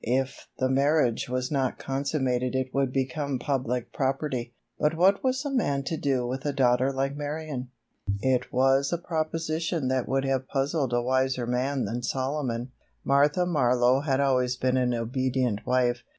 If the marriage was not consummated it would become public property. But what was a man to do with a daughter like Marion? It was a proposition which would have puzzled a wiser man than Solomon. Martha Marlowe had always been an obedient wife.